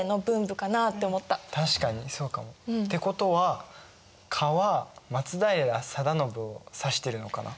確かにそうかも。ってことは「蚊」は松平定信を指してるのかな。